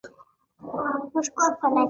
د دې پوښتنې ځواب هو دی ځکه پنبه چمتو شوې.